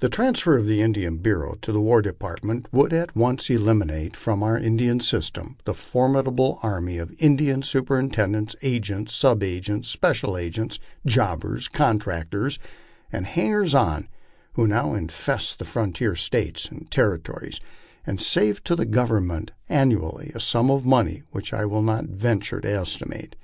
The transfer of the Indian Bureau to the War Department would at once eliminate from our Indian system the formidable army of Indian superintendents, agents, sub agents, special agents, Jobbers, contractors, and hangers on, who now infest the frontier States and territories, and save to the Government annually a sum of money which I will not venture to estimate.